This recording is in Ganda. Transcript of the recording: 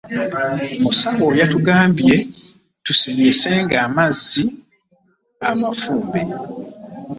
Musawo yatugambye tusenyesenga mazzi mafunde.